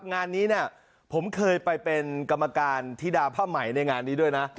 งานนี้เนี่ยผมเคยไปเป็นกรรมการธิดาผ้าไหมในงานนี้ด้วยนะ